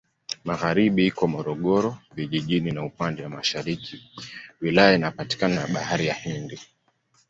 Magharibi iko Morogoro Vijijini na upande wa mashariki wilaya inapakana na Bahari ya Hindi.